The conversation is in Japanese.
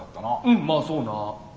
うんまあそうな。